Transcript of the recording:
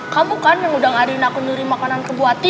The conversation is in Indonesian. kamu kan yang udah ngaduin aku nyuri makanan ke bu ati